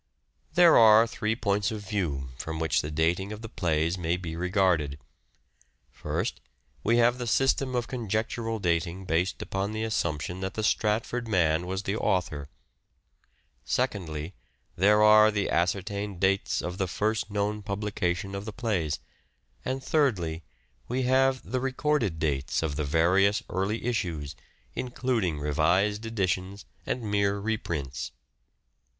There are three points of view from which the dating of the plays may be regarded. First, we have the system of conjectural dating based upon the assump tion that the Stratford man was the author ; secondly, there are the ascertained dates of the first known publication of the plays ; and thirdly, we have the recorded dates of the various early issues, including revised editions and mere reprints.